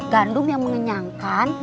gandum yang mengenyangkan